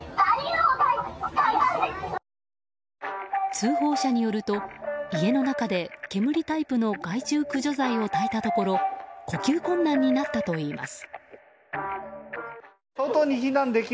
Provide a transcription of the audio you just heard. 通報者によると、家の中で煙タイプの害虫駆除剤を炊いたところ呼吸困難になったといいます。